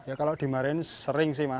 ya kalau dimarahin sering sih mas